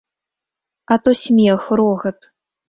А то смех, рогат.